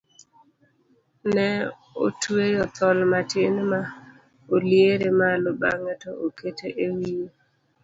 ne otweyo thol matin ma oliere malo bang'e to okete e wiye